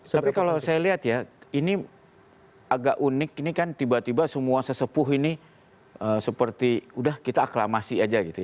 tapi kalau saya lihat ya ini agak unik ini kan tiba tiba semua sesepuh ini seperti udah kita aklamasi aja gitu ya